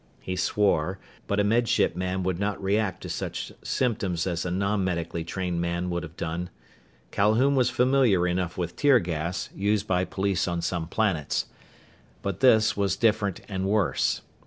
He swore, but a Med Ship man would not react to such symptoms as a non medically trained man would have done. Calhoun was familiar enough with tear gas, used by police on some planets. But this was different and worse.